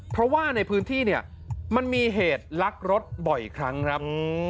เพราะว่าในพื้นที่เนี่ยมันมีเหตุลักรถบ่อยครั้งครับ